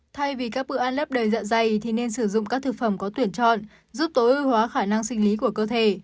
thay vì các bữa ăn lớp đầy dạ dày thì nên sử dụng các thực phẩm có tuyển chọn giúp tối ưu hóa khả năng sinh lý của cơ thể